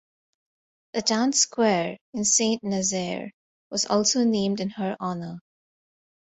The town square in Saint Nazaire was also named in her honor.